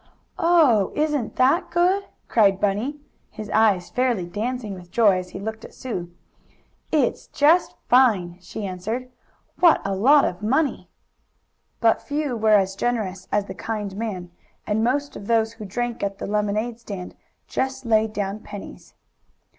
"Oh, isn't that good!" cried Bunny, his eyes fairly dancing with joy as he looked at Sue. "It's just fine!" she answered. "What a lot of money!" But few were as generous as the kind man, and most of those who drank at the lemonade stand just laid down pennies.